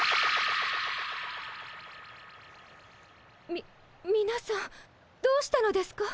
みみなさんどうしたのですか？